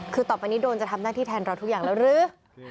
คือต่อไปนี้โดนจะทำหน้าที่แทนเราทุกอย่างแล้วหรือ